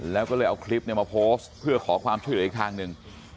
แล้วก็เลยเอาคลิปมาโพสต์เพื่อขอความช่วยเหลืออีกทางหนึ่ง